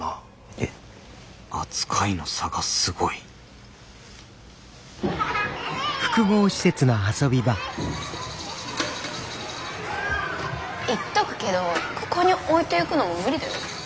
えっ？扱いの差がすごい言っとくけどここに置いていくのも無理だよ。